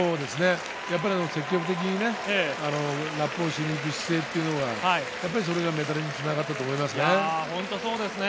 やっぱり積極的にラップをしにいく姿勢っていうのが、やっぱりそれがメダルにつながったと思いますね。